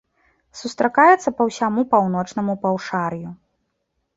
Сустракаецца па ўсяму паўночнаму паўшар'ю.